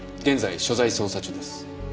現在所在捜査中です。